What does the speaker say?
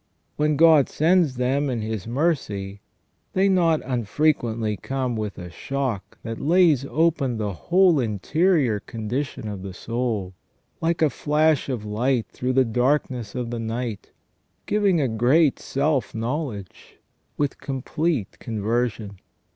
When God sends them, in His mercy, they not unfrequently come with a shock that lays open the whole interior condition of the soul, like a flash of light through the dark ness of the night, giving a great self knowledge, with complete conversion.